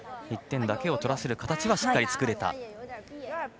１点だけを取らせる形はしっかり作れたと。